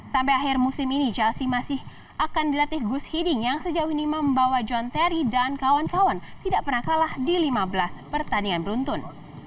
sampai akhir musim ini chelsea masih akan dilatih gus heeding yang sejauh ini membawa john terry dan kawan kawan tidak pernah kalah di lima belas pertandingan beruntun